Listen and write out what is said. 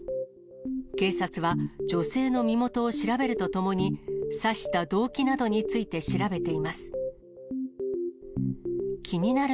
警察は女性の身元を調べるとともに、刺した動機などについて調べています。